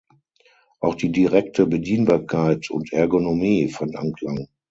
Auch die direkte Bedienbarkeit und Ergonomie fand Anklang.